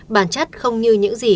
bản chất không như những gì